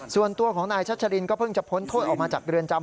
ส่วนตัวของนายชัชรินก็เพิ่งจะพ้นโทษออกมาจากเรือนจำ